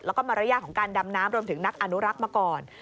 แล้วก็มารยาทของการดำน้ำรวมถึงนักอนุรักษ์มาก่อน